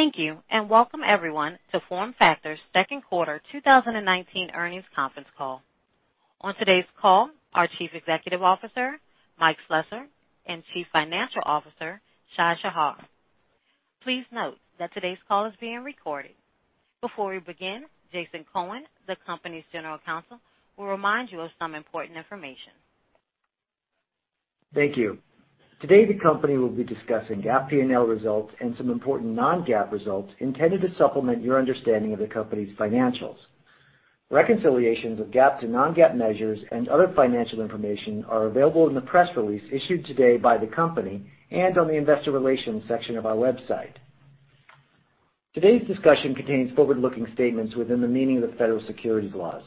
Thank you, and welcome, everyone, to FormFactor's second quarter 2019 earnings conference call. On today's call are Chief Executive Officer, Mike Slessor, and Chief Financial Officer, Shai Shahar. Please note that today's call is being recorded. Before we begin, Jason Cohen, the company's general counsel, will remind you of some important information. Thank you. Today, the company will be discussing GAAP P&L results and some important non-GAAP results intended to supplement your understanding of the company's financials. Reconciliations of GAAP to non-GAAP measures and other financial information are available in the press release issued today by the company and on the investor relations section of our website. Today's discussion contains forward-looking statements within the meaning of the federal securities laws.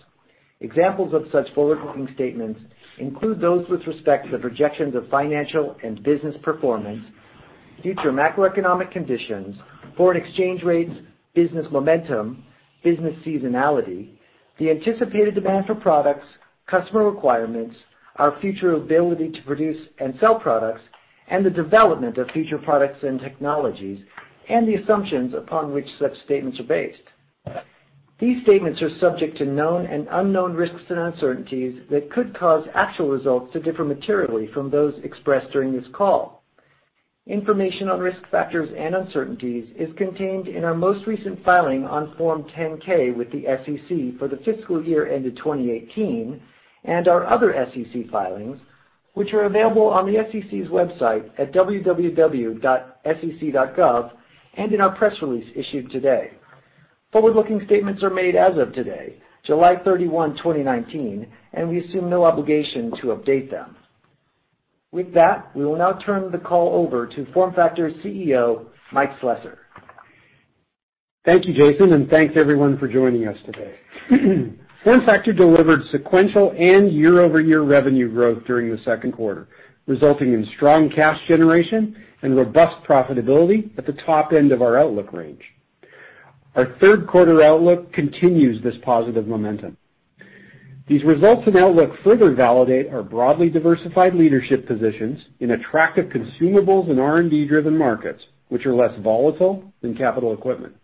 Examples of such forward-looking statements include those with respect to the projections of financial and business performance, future macroeconomic conditions, foreign exchange rates, business momentum, business seasonality, the anticipated demand for products, customer requirements, our future ability to produce and sell products, and the development of future products and technologies, and the assumptions upon which such statements are based. These statements are subject to known and unknown risks and uncertainties that could cause actual results to differ materially from those expressed during this call. Information on risk factors and uncertainties is contained in our most recent filing on Form 10-K with the SEC for the fiscal year ended 2018, and our other SEC filings, which are available on the SEC's website at www.sec.gov and in our press release issued today. Forward-looking statements are made as of today, July 31, 2019, and we assume no obligation to update them. With that, we will now turn the call over to FormFactor CEO, Mike Slessor. Thank you, Jason, and thanks, everyone, for joining us today. FormFactor delivered sequential and year-over-year revenue growth during the second quarter, resulting in strong cash generation and robust profitability at the top end of our outlook range. Our third quarter outlook continues this positive momentum. These results and outlook further validate our broadly diversified leadership positions in attractive consumables and R&D-driven markets, which are less volatile than capital equipment.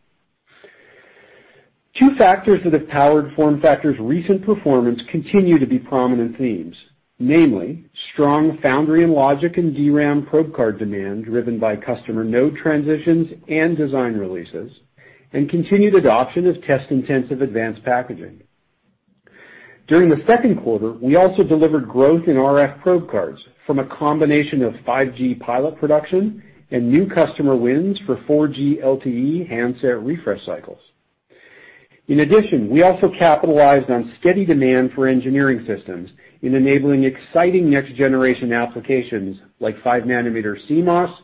Two factors that have powered FormFactor's recent performance continue to be prominent themes, namely strong foundry and logic and DRAM probe card demand driven by customer node transitions and design releases, and continued adoption of test-intensive advanced packaging. During the second quarter, we also delivered growth in RF probe cards from a combination of 5G pilot production and new customer wins for 4G LTE handset refresh cycles. In addition, we also capitalized on steady demand for engineering systems in enabling exciting next-generation applications like 5 nanometer CMOS,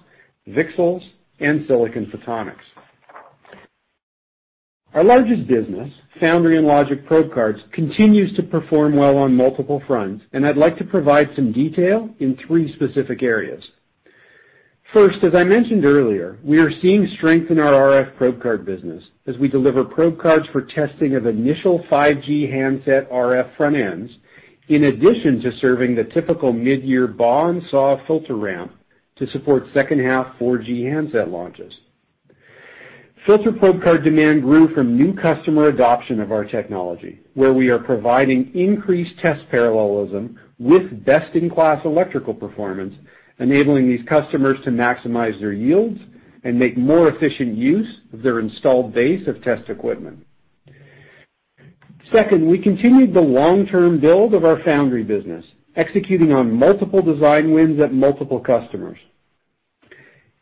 VCSELs, and silicon photonics. Our largest business, foundry and logic probe cards, continues to perform well on multiple fronts, and I'd like to provide some detail in three specific areas. First, as I mentioned earlier, we are seeing strength in our RF probe card business as we deliver probe cards for testing of initial 5G handset RF front ends, in addition to serving the typical mid-year BAW and SAW filter ramp to support second half 4G handset launches. Filter probe card demand grew from new customer adoption of our technology, where we are providing increased test parallelism with best-in-class electrical performance, enabling these customers to maximize their yields and make more efficient use of their installed base of test equipment. Second, we continued the long-term build of our foundry business, executing on multiple design wins at multiple customers.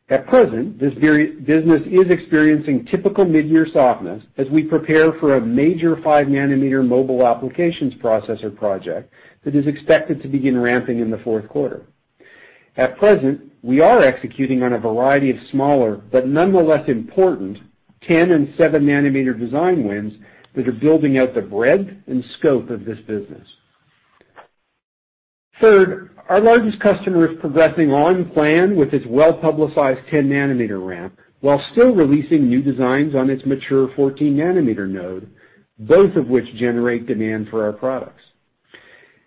At present, this business is experiencing typical mid-year softness as we prepare for a major 5-nanometer mobile applications processor project that is expected to begin ramping in the fourth quarter. At present, we are executing on a variety of smaller, but nonetheless important, 10 and 7-nanometer design wins that are building out the breadth and scope of this business. Third, our largest customer is progressing on plan with its well-publicized 10-nanometer ramp while still releasing new designs on its mature 14-nanometer node, both of which generate demand for our products.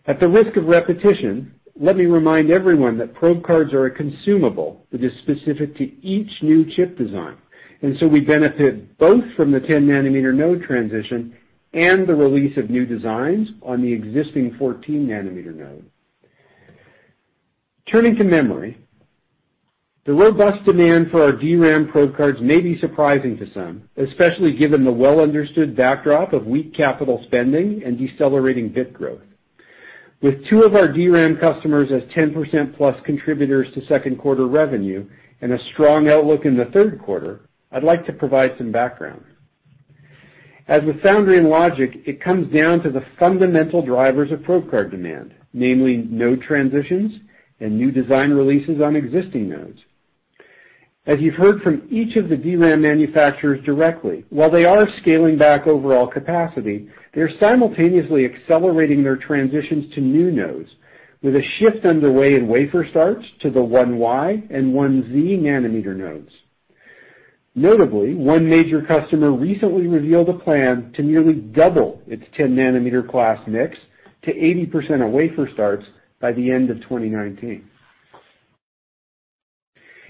At the risk of repetition, let me remind everyone that probe cards are a consumable that is specific to each new chip design, and so we benefit both from the 10-nanometer node transition and the release of new designs on the existing 14-nanometer node. Turning to memory, the robust demand for our DRAM probe cards may be surprising to some, especially given the well-understood backdrop of weak capital spending and decelerating bit growth. With two of our DRAM customers as 10%-plus contributors to second quarter revenue and a strong outlook in the third quarter, I'd like to provide some background. As with foundry and logic, it comes down to the fundamental drivers of probe card demand, namely node transitions and new design releases on existing nodes. As you've heard from each of the DRAM manufacturers directly, while they are scaling back overall capacity, they're simultaneously accelerating their transitions to new nodes with a shift underway in wafer starts to the 1Y and 1Z nanometer nodes. Notably, one major customer recently revealed a plan to nearly double its 10-nanometer class mix to 80% of wafer starts by the end of 2019.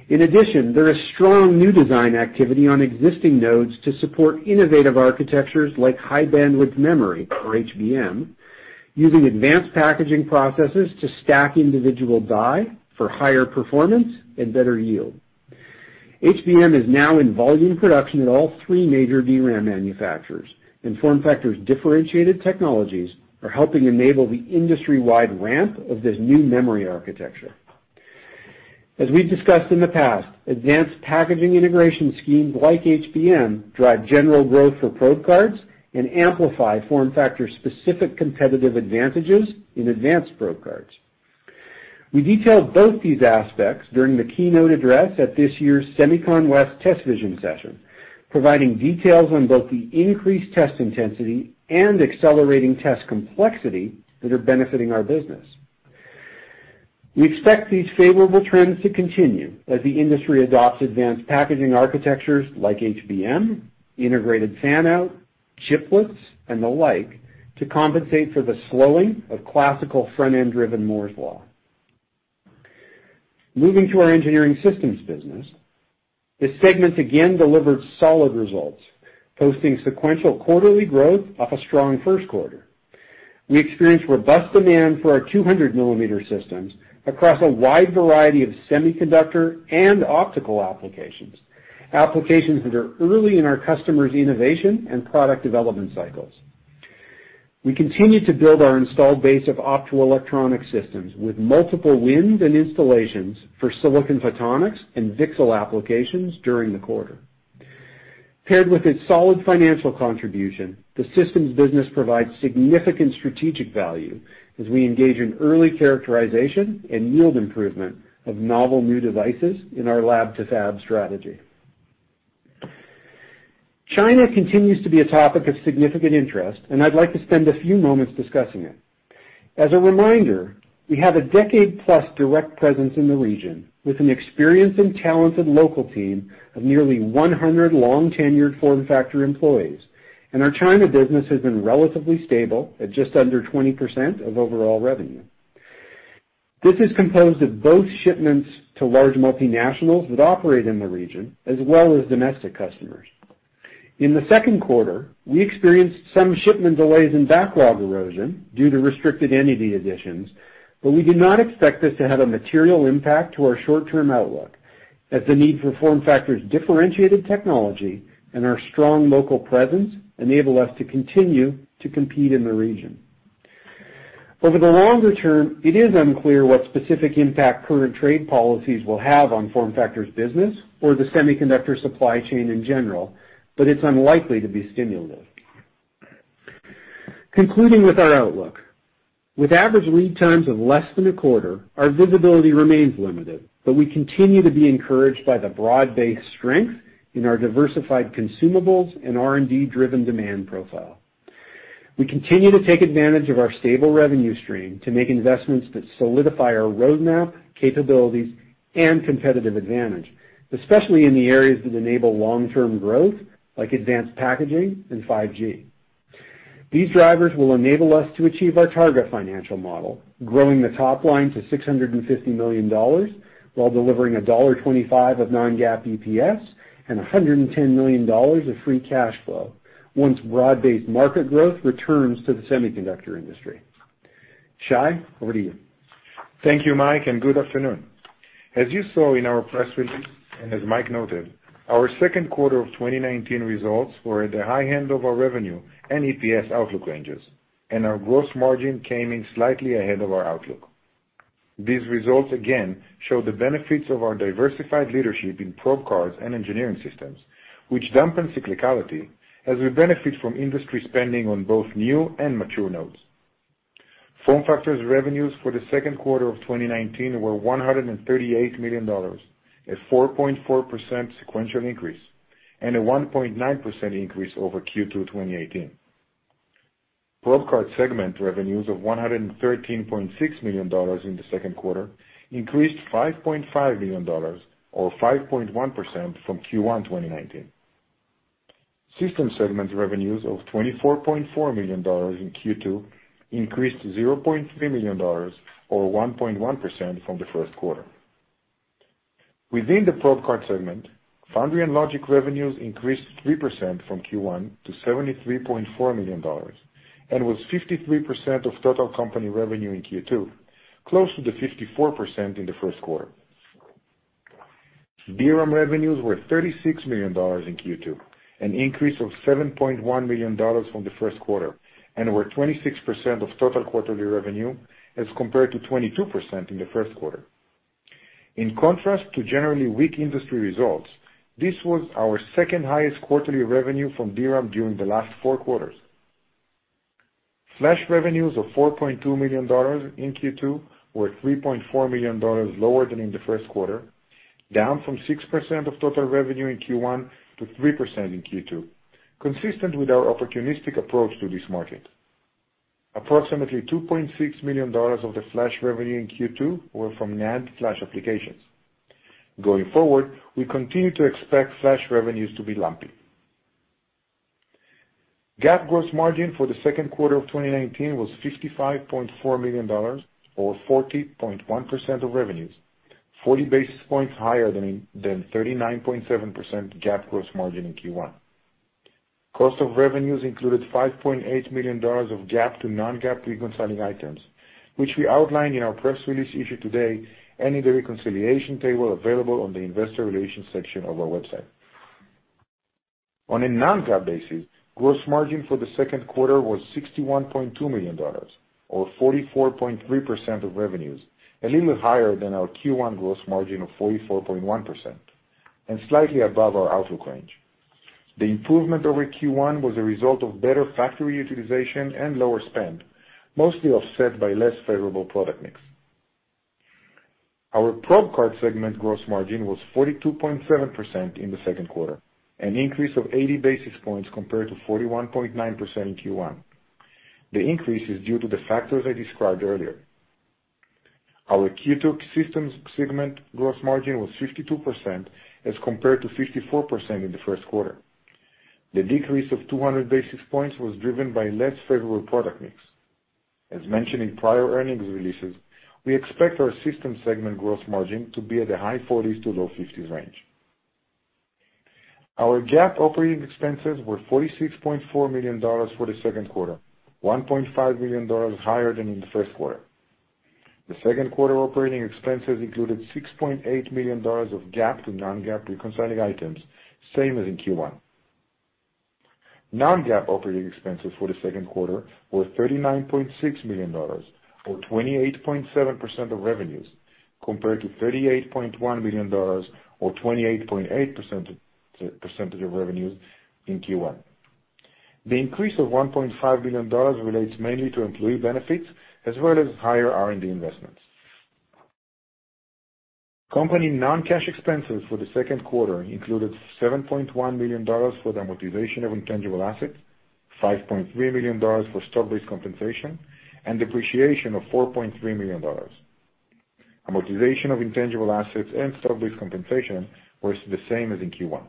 In addition, there is strong new design activity on existing nodes to support innovative architectures like high bandwidth memory, or HBM, using advanced packaging processes to stack individual die for higher performance and better yield. HBM is now in volume production at all three major DRAM manufacturers, and FormFactor's differentiated technologies are helping enable the industry-wide ramp of this new memory architecture. As we've discussed in the past, advanced packaging integration schemes like HBM drive general growth for probe cards and amplify FormFactor specific competitive advantages in advanced probe cards. We detailed both these aspects during the keynote address at this year's SEMICON West Test Vision session, providing details on both the increased test intensity and accelerating test complexity that are benefiting our business. We expect these favorable trends to continue as the industry adopts advanced packaging architectures like HBM, integrated fan-out, chiplets, and the like, to compensate for the slowing of classical front-end driven Moore's law. Moving to our engineering systems business. This segment again delivered solid results, posting sequential quarterly growth off a strong first quarter. We experienced robust demand for our 200 millimeter systems across a wide variety of semiconductor and optical applications that are early in our customers' innovation and product development cycles. We continue to build our installed base of optoelectronic systems with multiple wins and installations for silicon photonics and VCSEL applications during the quarter. Paired with its solid financial contribution, the systems business provides significant strategic value as we engage in early characterization and yield improvement of novel new devices in our lab to fab strategy. China continues to be a topic of significant interest, and I'd like to spend a few moments discussing it. As a reminder, we have a decade plus direct presence in the region with an experienced and talented local team of nearly 100 long-tenured FormFactor employees, and our China business has been relatively stable at just under 20% of overall revenue. This is composed of both shipments to large multinationals that operate in the region, as well as domestic customers. In the second quarter, we experienced some shipment delays and backlog erosion due to restricted entity additions, but we do not expect this to have a material impact to our short-term outlook as the need for FormFactor's differentiated technology and our strong local presence enable us to continue to compete in the region. Over the longer term, it is unclear what specific impact current trade policies will have on FormFactor's business or the semiconductor supply chain in general, but it's unlikely to be stimulative. Concluding with our outlook. With average lead times of less than a quarter, our visibility remains limited, but we continue to be encouraged by the broad-based strength in our diversified consumables and R&D-driven demand profile. We continue to take advantage of our stable revenue stream to make investments that solidify our roadmap, capabilities, and competitive advantage, especially in the areas that enable long-term growth, like advanced packaging and 5G. These drivers will enable us to achieve our target financial model, growing the top line to $650 million while delivering $1.25 of non-GAAP EPS and $110 million of free cash flow, once broad-based market growth returns to the semiconductor industry. Shai, over to you. Thank you, Mike, and good afternoon. As you saw in our press release, and as Mike noted, our second quarter of 2019 results were at the high end of our revenue and EPS outlook ranges, and our gross margin came in slightly ahead of our outlook. These results again show the benefits of our diversified leadership in probe cards and engineering systems, which dampen cyclicality as we benefit from industry spending on both new and mature nodes. FormFactor's revenues for the second quarter of 2019 were $138 million, a 4.4% sequential increase, and a 1.9% increase over Q2 2018. Probe card segment revenues of $113.6 million in the second quarter increased $5.5 million, or 5.1% from Q1 2019. System segment revenues of $24.4 million in Q2 increased $0.3 million, or 1.1% from the first quarter. Within the probe card segment, foundry and logic revenues increased 3% from Q1 to $73.4 million and was 53% of total company revenue in Q2, close to the 54% in the first quarter. DRAM revenues were $36 million in Q2, an increase of $7.1 million from the first quarter, and were 26% of total quarterly revenue as compared to 22% in the first quarter. In contrast to generally weak industry results, this was our second highest quarterly revenue from DRAM during the last four quarters. Flash revenues of $4.2 million in Q2 were $3.4 million lower than in the first quarter, down from 6% of total revenue in Q1 to 3% in Q2. Consistent with our opportunistic approach to this market. Approximately $2.6 million of the flash revenue in Q2 were from NAND flash applications. Going forward, we continue to expect flash revenues to be lumpy. GAAP gross margin for the second quarter of 2019 was $55.4 million or 40.1% of revenues, 40 basis points higher than 39.7% GAAP gross margin in Q1. Cost of revenues included $5.8 million of GAAP to non-GAAP reconciling items, which we outlined in our press release issued today, and in the reconciliation table available on the investor relations section of our website. On a non-GAAP basis, gross margin for the second quarter was $61.2 million or 44.3% of revenues, a little higher than our Q1 gross margin of 44.1%, and slightly above our outlook range. The improvement over Q1 was a result of better factory utilization and lower spend, mostly offset by less favorable product mix. Our probe card segment gross margin was 42.7% in the second quarter, an increase of 80 basis points compared to 41.9% in Q1. The increase is due to the factors I described earlier. Our Q2 systems segment gross margin was 52% as compared to 54% in the first quarter. The decrease of 200 basis points was driven by less favorable product mix. As mentioned in prior earnings releases, we expect our system segment gross margin to be at the high 40s to low 50s range. Our GAAP operating expenses were $46.4 million for the second quarter, $1.5 million higher than in the first quarter. The second quarter operating expenses included $6.8 million of GAAP to non-GAAP reconciling items, same as in Q1. Non-GAAP operating expenses for the second quarter were $39.6 million or 28.7% of revenues, compared to $38.1 million or 28.8% of percentage of revenues in Q1. The increase of $1.5 million relates mainly to employee benefits as well as higher R&D investments. Company non-cash expenses for the second quarter included $7.1 million for the amortization of intangible assets, $5.3 million for stock-based compensation, and depreciation of $4.3 million. Amortization of intangible assets and stock-based compensation was the same as in Q1.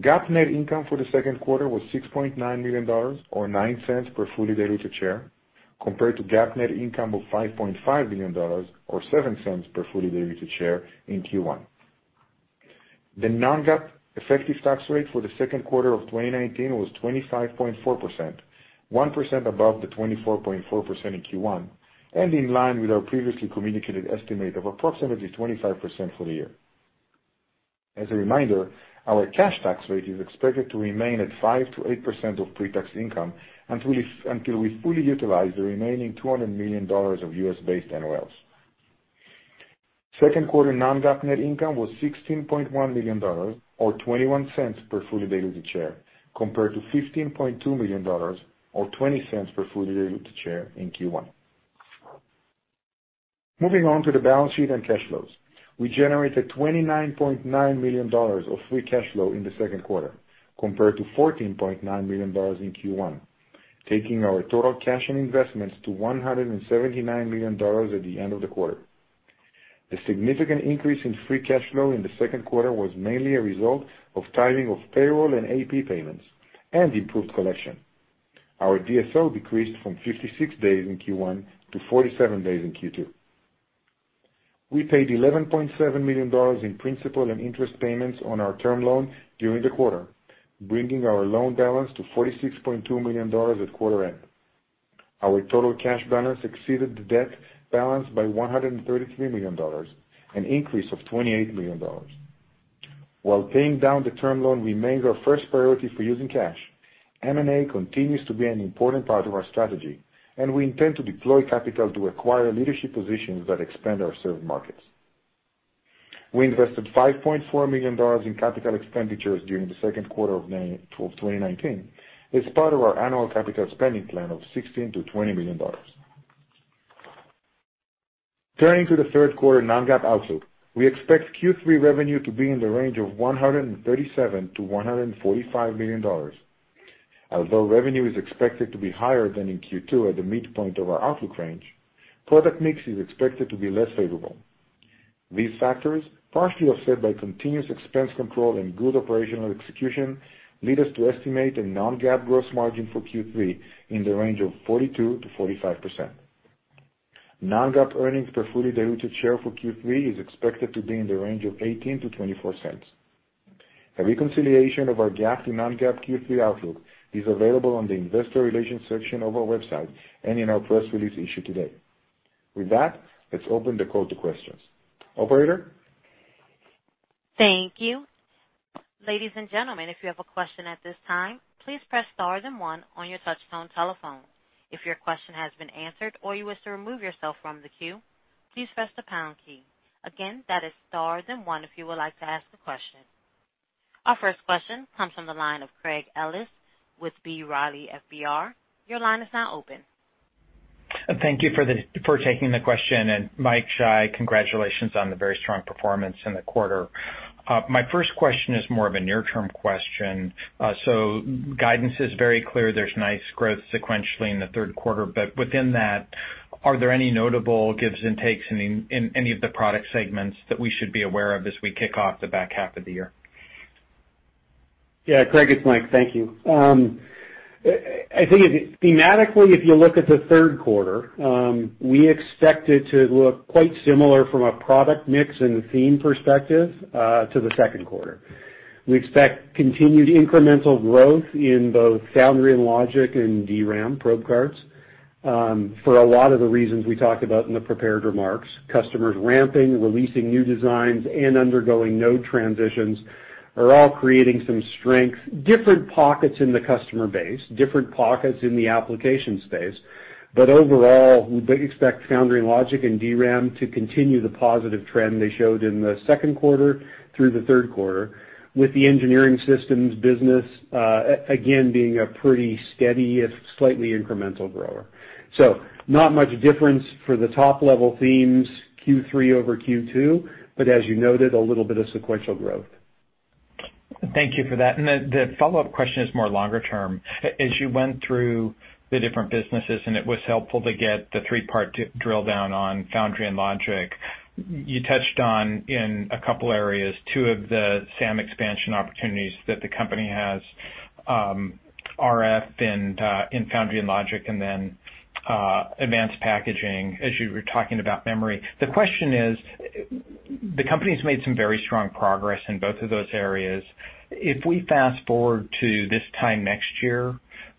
GAAP net income for the second quarter was $6.9 million or $0.09 per fully diluted share, compared to GAAP net income of $5.5 million or $0.07 per fully diluted share in Q1. The non-GAAP effective tax rate for the second quarter of 2019 was 25.4%, 1% above the 24.4% in Q1, and in line with our previously communicated estimate of approximately 25% for the year. As a reminder, our cash tax rate is expected to remain at 5%-8% of pre-tax income until we fully utilize the remaining $200 million of U.S.-based NOLs. Second quarter non-GAAP net income was $16.1 million or $0.21 per fully diluted share, compared to $15.2 million or $0.20 per fully diluted share in Q1. Moving on to the balance sheet and cash flows. We generated $29.9 million of free cash flow in the second quarter compared to $14.9 million in Q1, taking our total cash and investments to $179 million at the end of the quarter. The significant increase in free cash flow in the second quarter was mainly a result of timing of payroll and AP payments and improved collection. Our DSO decreased from 56 days in Q1 to 47 days in Q2. We paid $11.7 million in principal and interest payments on our term loan during the quarter, bringing our loan balance to $46.2 million at quarter end. Our total cash balance exceeded the debt balance by $133 million, an increase of $28 million. While paying down the term loan remains our first priority for using cash, M&A continues to be an important part of our strategy, and we intend to deploy capital to acquire leadership positions that expand our served markets. We invested $5.4 million in capital expenditures during the second quarter of 2019 as part of our annual capital spending plan of $16 million-$20 million. Turning to the third quarter non-GAAP outlook. We expect Q3 revenue to be in the range of $137 million-$145 million. Although revenue is expected to be higher than in Q2 at the midpoint of our outlook range, product mix is expected to be less favorable. These factors, partially offset by continuous expense control and good operational execution, lead us to estimate a non-GAAP gross margin for Q3 in the range of 42%-45%. Non-GAAP earnings per fully diluted share for Q3 is expected to be in the range of $0.18-$0.24. A reconciliation of our GAAP to non-GAAP Q3 outlook is available on the investor relations section of our website and in our press release issued today. With that, let's open the call to questions. Operator? Thank you. Ladies and gentlemen, if you have a question at this time, please press star then one on your touch tone telephone. If your question has been answered or you wish to remove yourself from the queue, please press the pound key. Again, that is star then one if you would like to ask a question. Our first question comes from the line of Craig Ellis with B. Riley FBR. Your line is now open. Thank you for taking the question, and Mike, Shai, congratulations on the very strong performance in the quarter. My first question is more of a near-term question. Guidance is very clear. There's nice growth sequentially in the third quarter, but within that Are there any notable gives and takes in any of the product segments that we should be aware of as we kick off the back half of the year? Yeah, Craig, it's Mike. Thank you. I think thematically, if you look at the third quarter, we expect it to look quite similar from a product mix and theme perspective to the second quarter. We expect continued incremental growth in both foundry and logic and DRAM probe cards for a lot of the reasons we talked about in the prepared remarks. Customers ramping, releasing new designs, and undergoing node transitions are all creating some strength. Different pockets in the customer base, different pockets in the application space. Overall, we expect foundry and logic and DRAM to continue the positive trend they showed in the second quarter through the third quarter, with the engineering systems business, again, being a pretty steady, if slightly incremental grower. Not much difference for the top-level themes Q3 over Q2, but as you noted, a little bit of sequential growth. Thank you for that. The follow-up question is more longer-term. As you went through the different businesses, and it was helpful to get the three-part drill down on foundry and logic, you touched on, in a couple of areas, two of the SAM expansion opportunities that the company has, RF in foundry and logic, and then advanced packaging as you were talking about memory. The question is, the company's made some very strong progress in both of those areas. If we fast-forward to this time next year,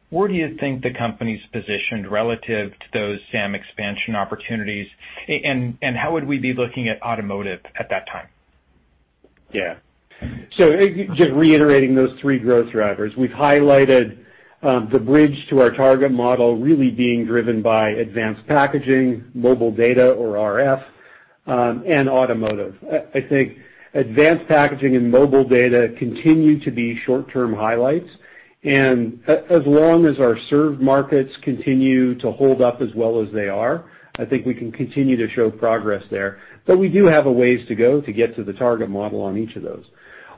where do you think the company's positioned relative to those SAM expansion opportunities, and how would we be looking at automotive at that time? Yeah. Just reiterating those three growth drivers. We've highlighted the bridge to our target model really being driven by advanced packaging, mobile data or RF, and automotive. I think advanced packaging and mobile data continue to be short-term highlights, and as long as our served markets continue to hold up as well as they are, I think we can continue to show progress there. We do have a ways to go to get to the target model on each of those.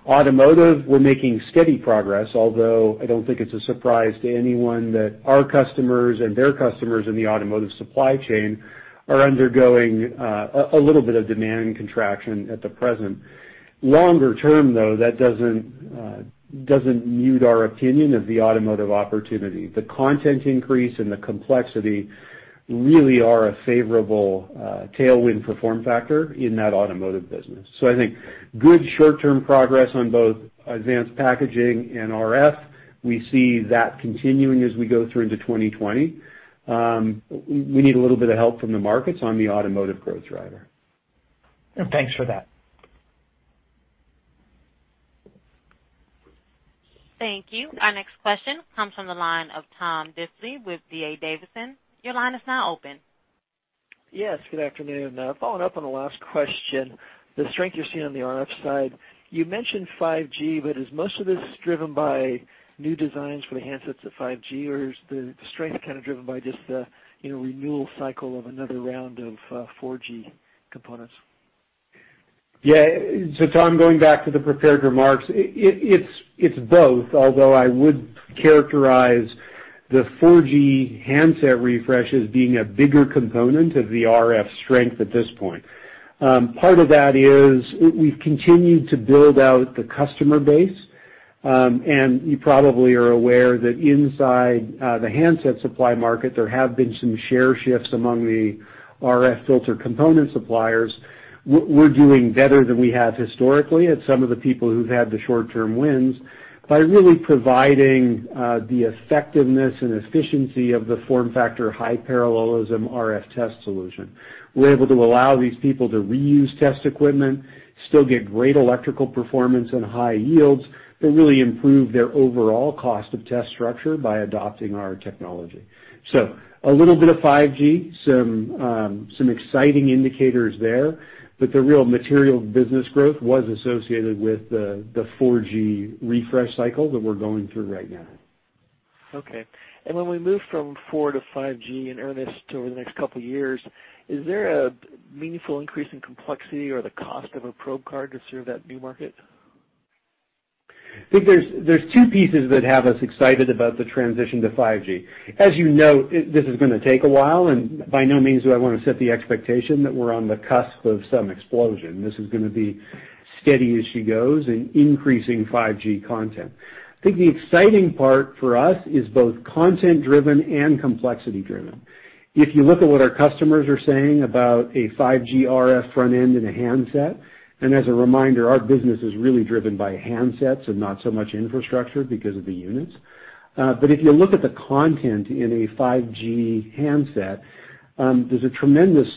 Automotive, we're making steady progress, although I don't think it's a surprise to anyone that our customers and their customers in the automotive supply chain are undergoing a little bit of demand contraction at the present. Longer term, though, that doesn't mute our opinion of the automotive opportunity. The content increase and the complexity really are a favorable tailwind for FormFactor in that automotive business. I think good short-term progress on both advanced packaging and RF. We see that continuing as we go through into 2020. We need a little bit of help from the markets on the automotive growth driver. Thanks for that. Thank you. Our next question comes from the line of Tom Diffely with D.A. Davidson. Your line is now open. Yes, good afternoon. Following up on the last question, the strength you're seeing on the RF side, you mentioned 5G, but is most of this driven by new designs for the handsets of 5G, or is the strength kind of driven by just the renewal cycle of another round of 4G components? Tom, going back to the prepared remarks, it's both, although I would characterize the 4G handset refresh as being a bigger component of the RF strength at this point. Part of that is we've continued to build out the customer base, and you probably are aware that inside the handset supply market, there have been some share shifts among the RF filter component suppliers. We're doing better than we have historically at some of the people who've had the short-term wins by really providing the effectiveness and efficiency of the FormFactor high parallelism RF test solution. We're able to allow these people to reuse test equipment, still get great electrical performance and high yields, really improve their overall cost of test structure by adopting our technology. A little bit of 5G, some exciting indicators there, but the real material business growth was associated with the 4G refresh cycle that we're going through right now. Okay. When we move from 4 to 5G in earnest over the next couple of years, is there a meaningful increase in complexity or the cost of a probe card to serve that new market? I think there's two pieces that have us excited about the transition to 5G. As you know, this is going to take a while, and by no means do I want to set the expectation that we're on the cusp of some explosion. This is going to be steady as she goes in increasing 5G content. I think the exciting part for us is both content-driven and complexity-driven. If you look at what our customers are saying about a 5G RF front end in a handset, and as a reminder, our business is really driven by handsets and not so much infrastructure because of the units. If you look at the content in a 5G handset, there's a tremendous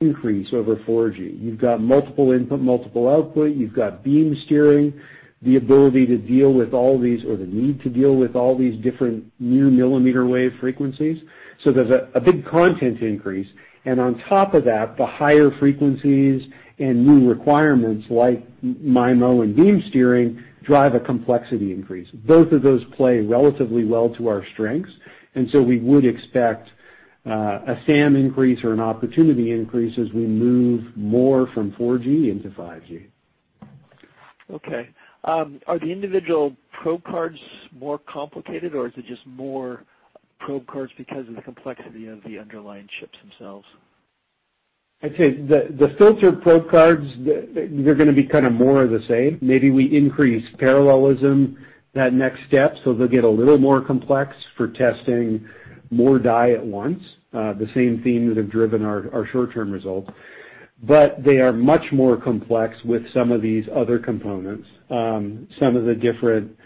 increase over 4G. You've got multiple input, multiple output. You've got beam steering, the ability to deal with all these, or the need to deal with all these different new millimeter wave frequencies. There's a big content increase. On top of that, the higher frequencies and new requirements like MIMO and beam steering drive a complexity increase. Both of those play relatively well to our strengths, we would expect a SAM increase or an opportunity increase as we move more from 4G into 5G. Are the individual probe cards more complicated, or is it just more probe cards because of the complexity of the underlying chips themselves? I'd say the filter probe cards, they're going to be more of the same. Maybe we increase parallelism that next step. They'll get a little more complex for testing more die at once. The same theme that have driven our short-term results. They are much more complex with some of these other components. Some of the different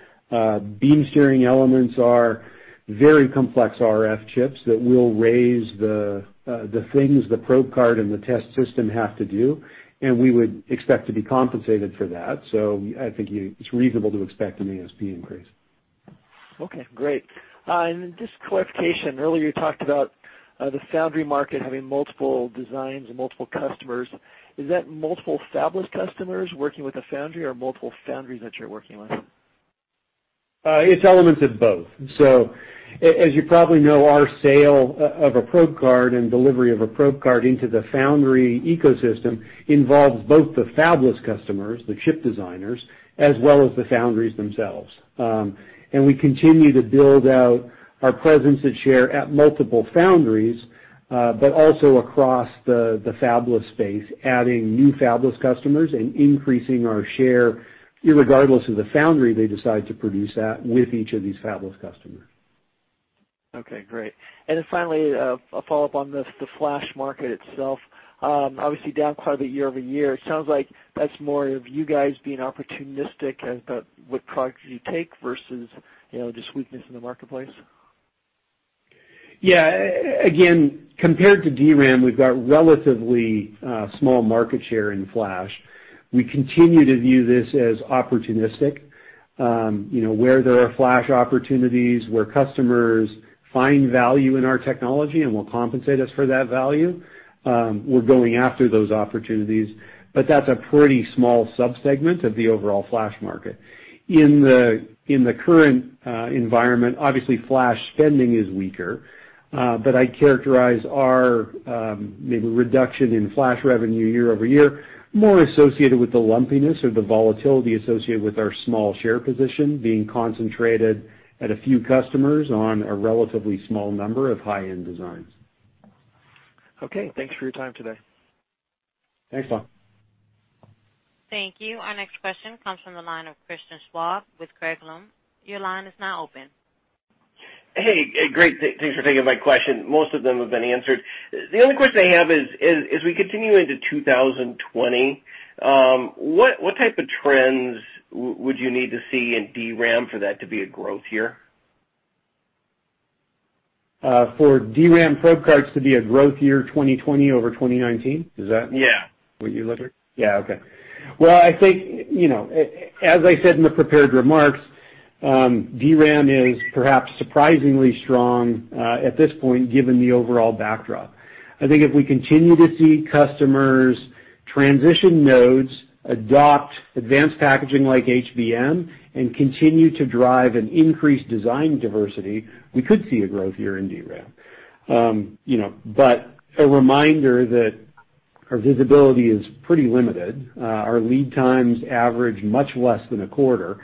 beam steering elements are very complex RF chips that will raise the things the probe card and the test system have to do. We would expect to be compensated for that. I think it's reasonable to expect an ASP increase. Okay, great. Just clarification, earlier you talked about the foundry market having multiple designs and multiple customers. Is that multiple fabless customers working with the foundry or multiple foundries that you're working with? It's elements of both. As you probably know, our sale of a probe card and delivery of a probe card into the foundry ecosystem involves both the fabless customers, the chip designers, as well as the foundries themselves. We continue to build out our presence and share at multiple foundries, but also across the fabless space, adding new fabless customers and increasing our share irregardless of the foundry they decide to produce at with each of these fabless customers. Okay, great. Finally, a follow-up on the flash market itself. Obviously down quite a bit year-over-year. It sounds like that's more of you guys being opportunistic about what products you take versus just weakness in the marketplace. Again, compared to DRAM, we've got relatively small market share in flash. We continue to view this as opportunistic. Where there are flash opportunities, where customers find value in our technology and will compensate us for that value, we're going after those opportunities. That's a pretty small sub-segment of the overall flash market. In the current environment, obviously, flash spending is weaker. I characterize our maybe reduction in flash revenue year-over-year more associated with the lumpiness or the volatility associated with our small share position being concentrated at a few customers on a relatively small number of high-end designs. Okay. Thanks for your time today. Thanks, Tom. Thank you. Our next question comes from the line of Christian Schwab with Craig-Hallum. Your line is now open. Hey, great. Thanks for taking my question. Most of them have been answered. The only question I have is, as we continue into 2020, what type of trends would you need to see in DRAM for that to be a growth year? For DRAM probe cards to be a growth year 2020 over 2019? Is that- Yeah What you're looking at? Yeah. Okay. Well, I think, as I said in the prepared remarks, DRAM is perhaps surprisingly strong at this point, given the overall backdrop. I think if we continue to see customers transition nodes, adopt advanced packaging like HBM, and continue to drive an increased design diversity, we could see a growth year in DRAM. A reminder that our visibility is pretty limited. Our lead times average much less than a quarter,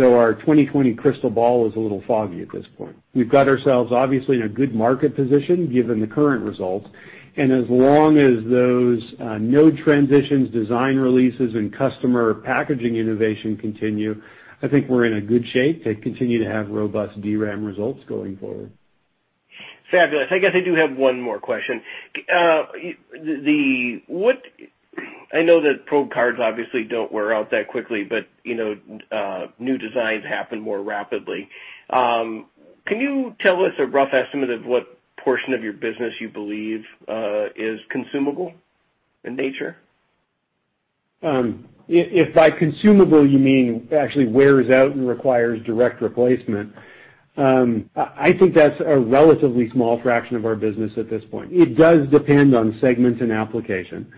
our 2020 crystal ball is a little foggy at this point. We've got ourselves, obviously, in a good market position given the current results, as long as those node transitions, design releases, and customer packaging innovation continue, I think we're in a good shape to continue to have robust DRAM results going forward. Fabulous. I guess I do have one more question. I know that probe cards obviously don't wear out that quickly, but new designs happen more rapidly. Can you tell us a rough estimate of what portion of your business you believe is consumable in nature? If by consumable you mean actually wears out and requires direct replacement, I think that's a relatively small fraction of our business at this point. It does depend on segment and application.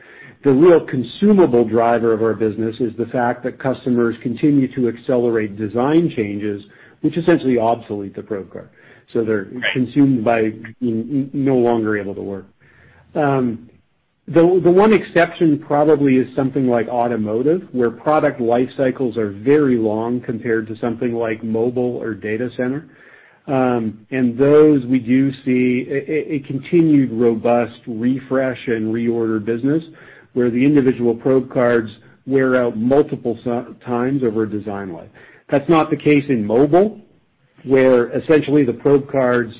The real consumable driver of our business is the fact that customers continue to accelerate design changes, which essentially obsolete the probe card. So they're consumed by no longer able to work. The one exception probably is something like automotive, where product life cycles are very long compared to something like mobile or data center. Those we do see a continued robust refresh and reorder business where the individual probe cards wear out multiple times over a design life. That's not the case in mobile, where essentially the probe cards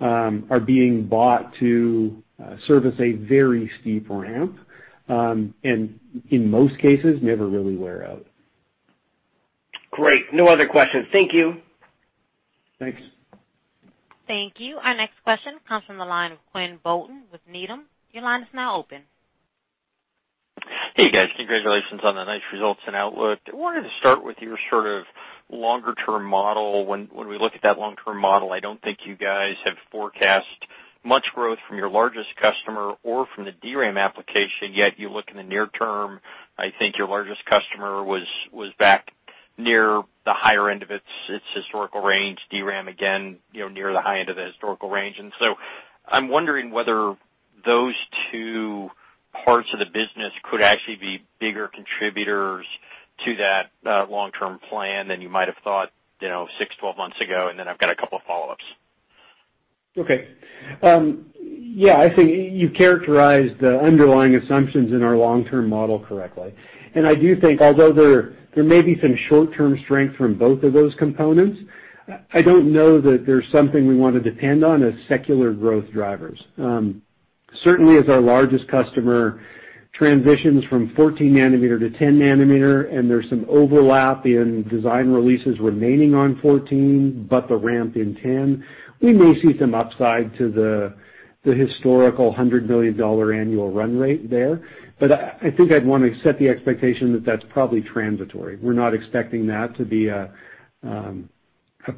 are being bought to service a very steep ramp. In most cases, never really wear out. Great. No other questions. Thank you. Thanks. Thank you. Our next question comes from the line of Quinn Bolton with Needham. Your line is now open. Hey, guys. Congratulations on the nice results and outlook. I wanted to start with your sort of longer-term model. When we look at that long-term model, I don't think you guys have forecast much growth from your largest customer or from the DRAM application, yet you look in the near term, I think your largest customer was back near the higher end of its historical range. DRAM, again, near the high end of the historical range. I'm wondering whether those two parts of the business could actually be bigger contributors to that long-term plan than you might have thought six, 12 months ago, and then I've got a couple of follow-ups. Okay. Yeah, I think you characterized the underlying assumptions in our long-term model correctly. I do think although there may be some short-term strength from both of those components, I don't know that there's something we want to depend on as secular growth drivers. Certainly, as our largest customer transitions from 14 nanometer to 10 nanometer, and there's some overlap in design releases remaining on 14, but the ramp in 10, we may see some upside to the historical $100 million annual run rate there. I think I'd want to set the expectation that that's probably transitory. We're not expecting that to be a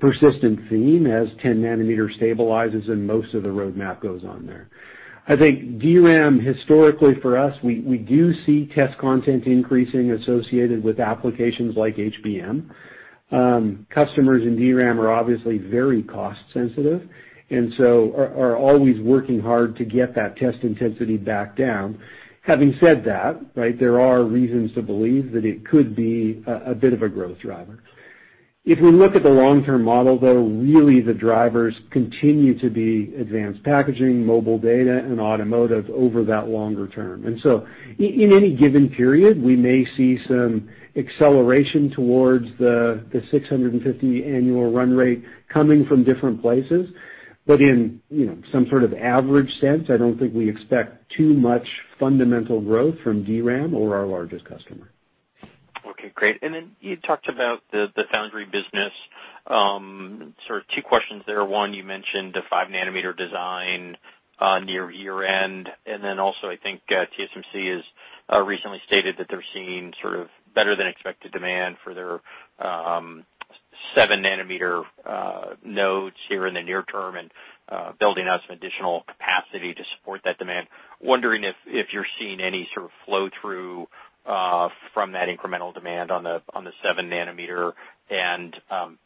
persistent theme as 10 nanometer stabilizes and most of the roadmap goes on there. I think DRAM historically for us, we do see test content increasing associated with applications like HBM. Customers in DRAM are obviously very cost sensitive, and so are always working hard to get that test intensity back down. Having said that, there are reasons to believe that it could be a bit of a growth driver. If we look at the long-term model, though, really the drivers continue to be advanced packaging, mobile data, and automotive over that longer term. In any given period, we may see some acceleration towards the $650 annual run rate coming from different places. In some sort of average sense, I don't think we expect too much fundamental growth from DRAM or our largest customer. Okay, great. Then you talked about the foundry business. Sort of two questions there. One, you mentioned the 5 nanometer design near year-end, also I think TSMC has recently stated that they're seeing sort of better than expected demand for their 7 nanometer nodes here in the near term and building out some additional capacity to support that demand. Wondering if you're seeing any sort of flow-through from that incremental demand on the 7 nanometer, and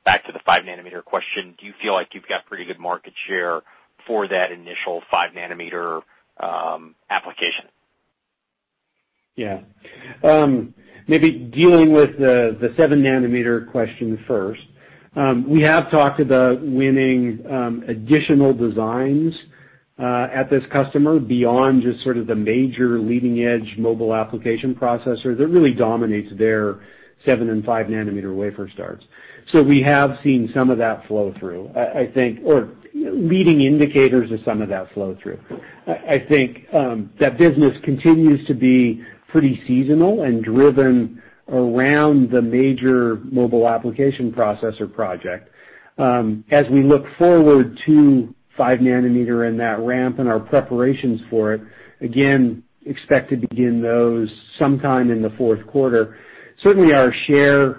back to the 5 nanometer question, do you feel like you've got pretty good market share for that initial 5 nanometer application? Yeah. Maybe dealing with the seven nanometer question first. We have talked about winning additional designs at this customer beyond just sort of the major leading-edge mobile application processor that really dominates their seven and five nanometer wafer starts. We have seen some of that flow through, I think, or leading indicators of some of that flow through. I think that business continues to be pretty seasonal and driven around the major mobile application processor project. As we look forward to five nanometer and that ramp and our preparations for it, again, expect to begin those sometime in the fourth quarter. Certainly, our share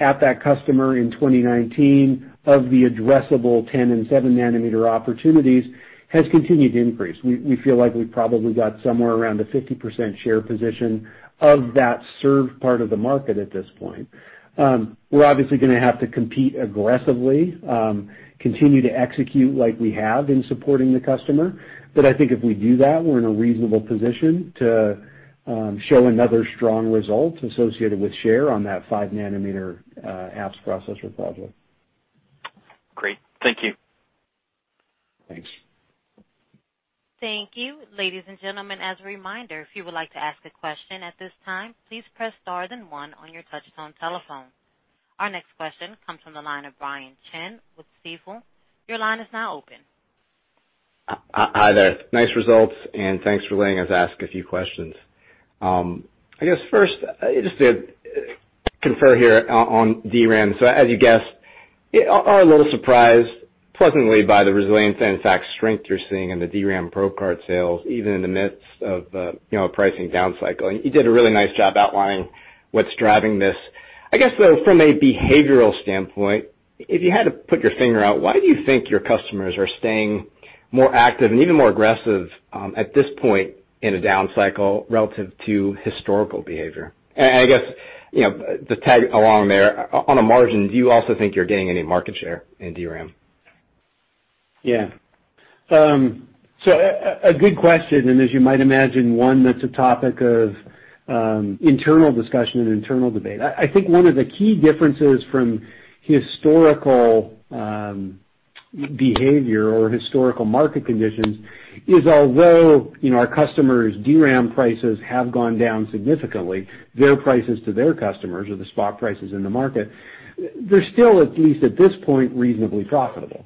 at that customer in 2019 of the addressable 10 and seven nanometer opportunities has continued to increase. We feel like we've probably got somewhere around a 50% share position of that served part of the market at this point. We're obviously going to have to compete aggressively, continue to execute like we have in supporting the customer. I think if we do that, we're in a reasonable position to show another strong result associated with share on that five nanometer apps processor project. Great. Thank you. Thanks. Thank you. Ladies and gentlemen, as a reminder, if you would like to ask a question at this time, please press star then one on your touch-tone telephone. Our next question comes from the line of Brian Chin with Stifel. Your line is now open. Hi there. Nice results, and thanks for letting us ask a few questions. I guess first, just to confer here on DRAM. As you guess, are a little surprised, pleasantly, by the resilience and in fact strength you're seeing in the DRAM probe card sales, even in the midst of a pricing down cycle. You did a really nice job outlining what's driving this. I guess though, from a behavioral standpoint, if you had to put your finger out, why do you think your customers are staying more active and even more aggressive at this point in a down cycle relative to historical behavior? I guess, to tag along there, on a margin, do you also think you're gaining any market share in DRAM? Yeah. A good question, and as you might imagine, one that's a topic of internal discussion and internal debate. I think one of the key differences from historical behavior or historical market conditions is although our customers' DRAM prices have gone down significantly, their prices to their customers, or the spot prices in the market, they're still, at least at this point, reasonably profitable.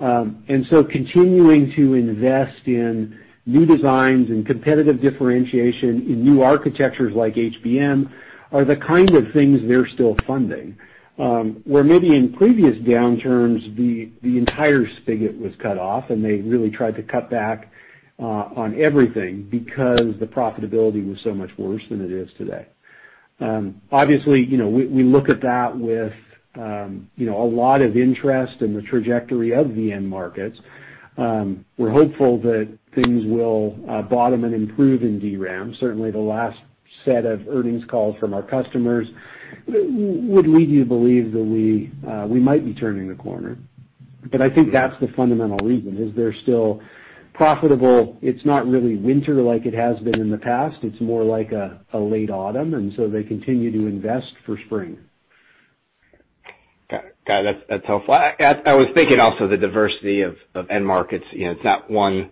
Continuing to invest in new designs and competitive differentiation in new architectures like HBM are the kind of things they're still funding. Where maybe in previous downturns, the entire spigot was cut off, and they really tried to cut back on everything because the profitability was so much worse than it is today. Obviously, we look at that with a lot of interest in the trajectory of the end markets. We're hopeful that things will bottom and improve in DRAM. Certainly, the last set of earnings calls from our customers would lead you to believe that we might be turning the corner. I think that's the fundamental reason, is they're still profitable. It's not really winter like it has been in the past. It's more like a late autumn, and so they continue to invest for spring. Got it. That's helpful. I was thinking also the diversity of end markets. It's not one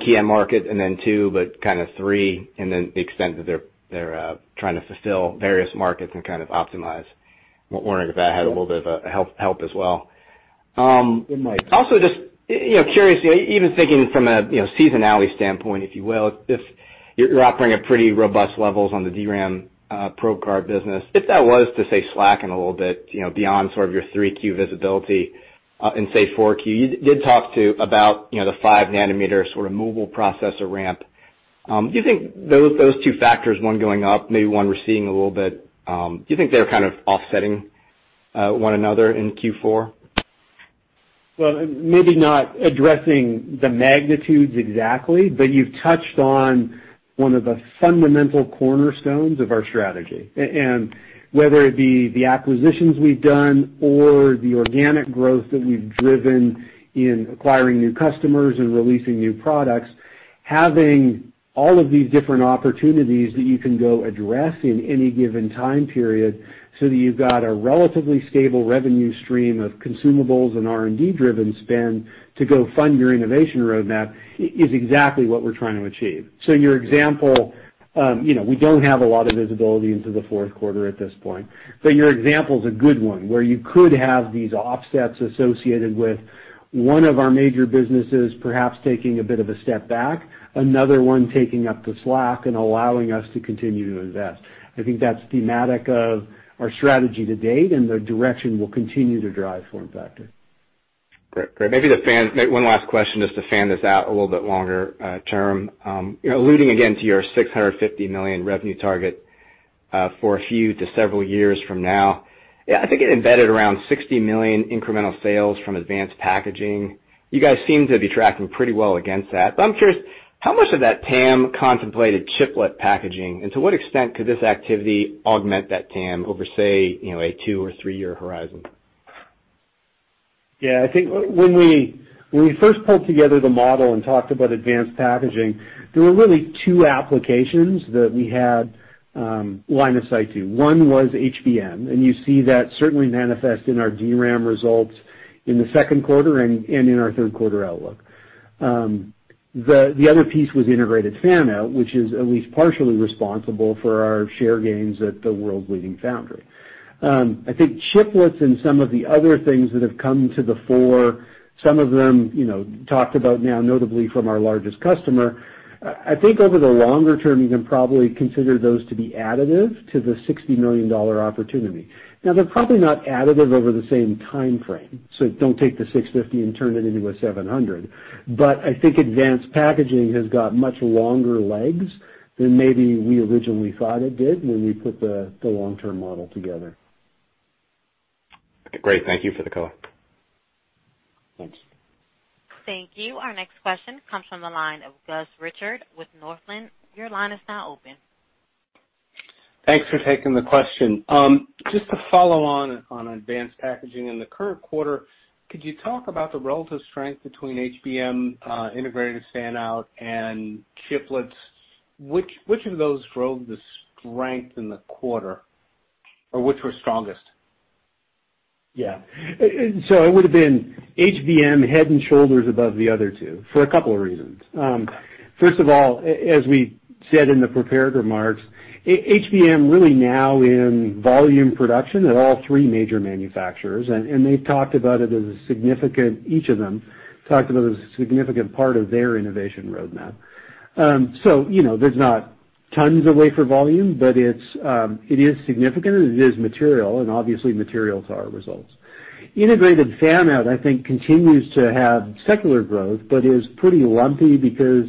key end market and then two, but kind of three, and then the extent that they're trying to fulfill various markets and kind of optimize. I'm wondering if that had a little bit of help as well. It might. Also just curious, even thinking from a seasonality standpoint, if you will, you're operating at pretty robust levels on the DRAM probe card business. If that was to, say, slacken a little bit, beyond sort of your 3Q visibility in, say, 4Q, you did talk too about the five-nanometer sort of mobile processor ramp. Do you think those two factors, one going up, maybe one we're seeing a little bit, do you think they're kind of offsetting one another in Q4? Well, maybe not addressing the magnitudes exactly, but you've touched on one of the fundamental cornerstones of our strategy. Whether it be the acquisitions we've done or the organic growth that we've driven in acquiring new customers and releasing new products, having all of these different opportunities that you can go address in any given time period, so that you've got a relatively stable revenue stream of consumables and R&D-driven spend to go fund your innovation roadmap is exactly what we're trying to achieve. Your example, we don't have a lot of visibility into the fourth quarter at this point, but your example's a good one, where you could have these offsets associated with one of our major businesses, perhaps taking a bit of a step back, another one taking up the slack and allowing us to continue to invest. I think that's thematic of our strategy to date and the direction we'll continue to drive FormFactor. Great. Maybe one last question just to fan this out a little bit longer term. Alluding again to your $650 million revenue target for a few to several years from now, I think it embedded around $60 million incremental sales from advanced packaging. You guys seem to be tracking pretty well against that. I'm curious, how much of that TAM contemplated chiplet packaging, and to what extent could this activity augment that TAM over, say, a two- or three-year horizon? I think when we first pulled together the model and talked about advanced packaging, there were really two applications that we had line of sight to. One was HBM, and you see that certainly manifest in our DRAM results in the second quarter and in our third-quarter outlook. The other piece was integrated fan-out, which is at least partially responsible for our share gains at the world's leading foundry. I think chiplets and some of the other things that have come to the fore, some of them talked about now notably from our largest customer, I think over the longer term, you can probably consider those to be additive to the $60 million opportunity. They're probably not additive over the same timeframe, so don't take the 650 and turn it into a 700. I think advanced packaging has got much longer legs than maybe we originally thought it did when we put the long-term model together. Great. Thank you for the color. Thanks. Thank you. Our next question comes from the line of Gus Richard with Northland. Your line is now open. Thanks for taking the question. Just to follow on advanced packaging in the current quarter, could you talk about the relative strength between HBM, integrated fan-out, and chiplets? Which of those drove the strength in the quarter, or which were strongest? It would've been HBM head and shoulders above the other two for a couple of reasons. First of all, as we said in the prepared remarks, HBM really now in volume production at all three major manufacturers, and they've talked about it as a significant, each of them talked about it as a significant part of their innovation roadmap. There's not tons of wafer volume, but it is significant, and it is material, and obviously materials are our results. Integrated fan-out, I think, continues to have secular growth, but is pretty lumpy because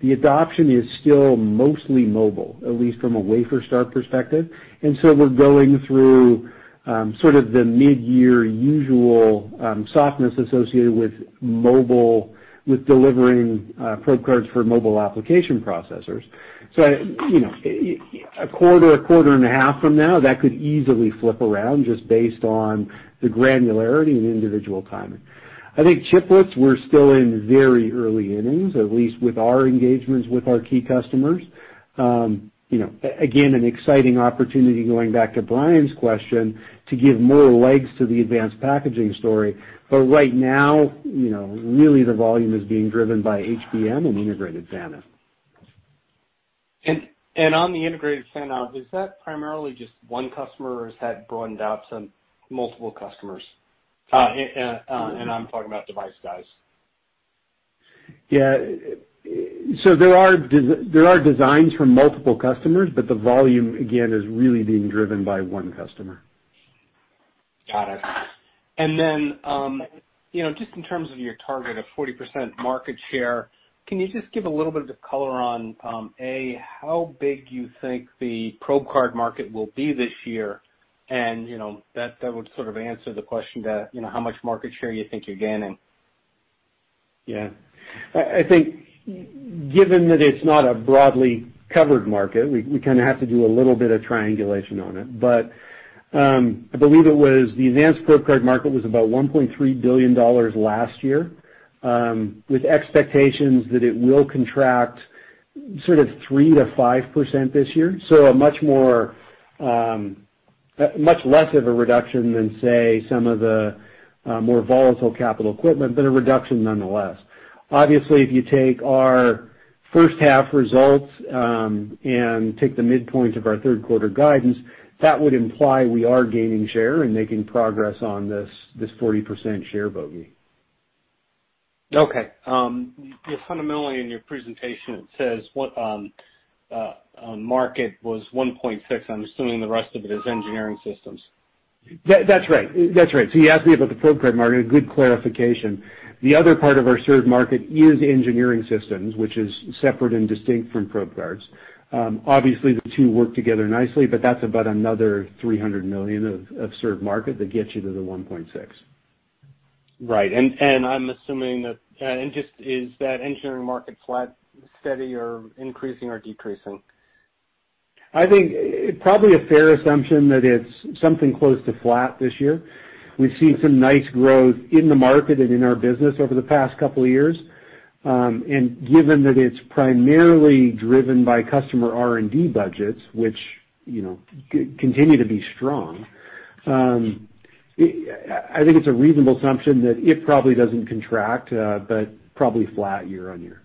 the adoption is still mostly mobile, at least from a wafer start perspective. We're going through sort of the mid-year usual softness associated with delivering probe cards for mobile application processors. A quarter, a quarter and a half from now, that could easily flip around just based on the granularity and individual timing. I think chiplets, we're still in very early innings, at least with our engagements with our key customers. Again, an exciting opportunity going back to Brian's question, to give more legs to the advanced packaging story. Right now, really the volume is being driven by HBM and integrated fan-out. On the integrated fan-out, is that primarily just one customer, or has that broadened out to multiple customers? I'm talking about device guys. Yeah. There are designs from multiple customers, but the volume, again, is really being driven by one customer. Got it. Just in terms of your target of 40% market share, can you just give a little bit of color on, A, how big you think the probe card market will be this year, and that would sort of answer the question to how much market share you think you're gaining? Yeah. I think given that it's not a broadly covered market, we kind of have to do a little bit of triangulation on it. I believe it was the advanced probe card market was about $1.3 billion last year, with expectations that it will contract sort of 3%-5% this year. Much less of a reduction than, say, some of the more volatile capital equipment, but a reduction nonetheless. Obviously, if you take our first half results and take the midpoint of our third quarter guidance, that would imply we are gaining share and making progress on this 40% share bogey. Okay. Fundamentally in your presentation, it says what market was $1.6. I'm assuming the rest of it is engineering systems. That's right. You asked me about the probe card market, a good clarification. The other part of our served market is engineering systems, which is separate and distinct from probe cards. Obviously, the two work together nicely, but that's about another $300 million of served market that gets you to the $1.6. Right. I'm assuming that, just is that engineering market flat, steady, or increasing, or decreasing? I think probably a fair assumption that it's something close to flat this year. We've seen some nice growth in the market and in our business over the past couple of years. Given that it's primarily driven by customer R&D budgets, which continue to be strong, I think it's a reasonable assumption that it probably doesn't contract, but probably flat year-over-year.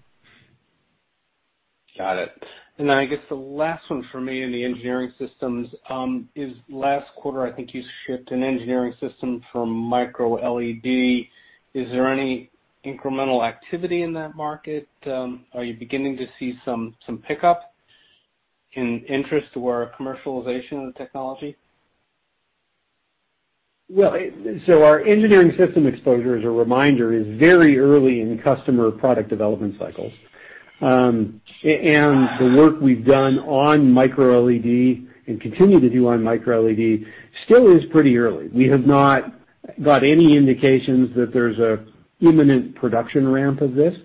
Got it. Then I guess the last one for me in the engineering systems is last quarter, I think you shipped an engineering system for microLED. Is there any incremental activity in that market? Are you beginning to see some pickup in interest or commercialization of the technology? Our engineering system exposure, as a reminder, is very early in the customer product development cycles. The work we've done on microLED and continue to do on microLED still is pretty early. We have not got any indications that there's an imminent production ramp of this.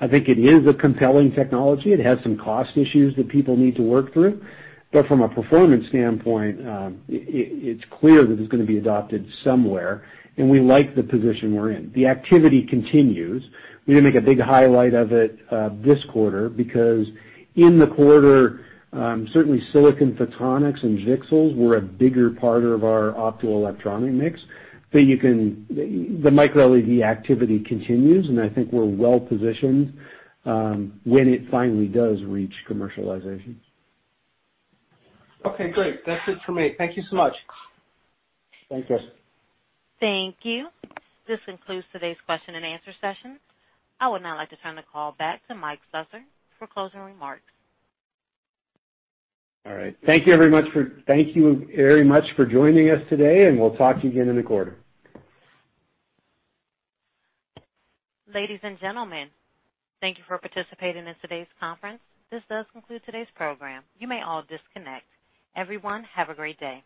I think it is a compelling technology. It has some cost issues that people need to work through. From a performance standpoint, it's clear that it's going to be adopted somewhere, and we like the position we're in. The activity continues. We didn't make a big highlight of it this quarter because in the quarter, certainly silicon photonics and VCSELs were a bigger part of our optoelectronic mix. The microLED activity continues, and I think we're well positioned when it finally does reach commercialization. Okay, great. That's it for me. Thank you so much. Thank you. Thank you. This concludes today's question and answer session. I would now like to turn the call back to Mike Slessor for closing remarks. All right. Thank you very much for joining us today, and we'll talk to you again in a quarter. Ladies and gentlemen, thank you for participating in today's conference. This does conclude today's program. You may all disconnect. Everyone, have a great day.